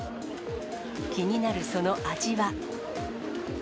気になるその味は。